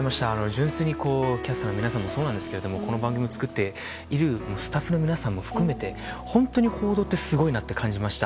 純粋にキャスターの皆さんもそうですがこの番組を作っているスタッフの皆さんも含めて本当に報道ってすごいなって感じました。